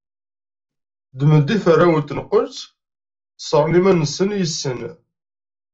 Ddmen-d iferrawen n tenqelt, ssṛen iman-nsen yes-sen.